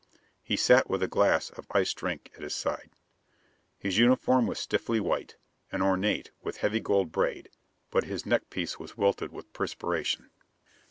He sat with a glass of iced drink at his side. His uniform was stiffly white, and ornate with heavy gold braid, but his neckpiece was wilted with perspiration.